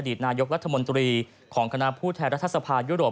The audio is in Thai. ตนายกรัฐมนตรีของคณะผู้แทนรัฐสภายุโรป